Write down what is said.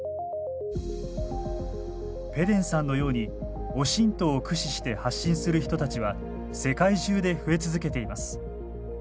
ぺデンさんのようにオシントを駆使して発信する人たちは世界中で増え続けています。